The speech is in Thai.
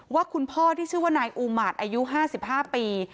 ว่าคุณพ่อที่ชื่อว่านายอูมาตรอายุ๕๕ปี